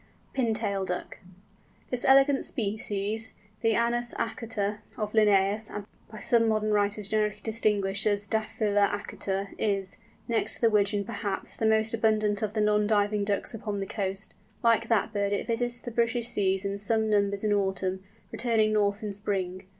PINTAIL DUCK. This elegant species, the Anas acuta of Linnæus, by some modern writers generically distinguished as Dafila acuta, is, next to the Wigeon perhaps, the most abundant of the non diving Ducks upon the coast. Like that bird it visits the British seas in some numbers in autumn, returning north in spring.